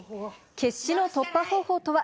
決死の突破方法とは。